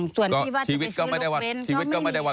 ส่วนที่ว่าช้าไปซื้อลูกเว้นก็ไม่มีเลย